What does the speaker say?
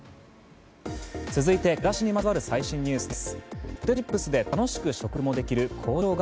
続いて暮らしにまつわる最新ニュースです。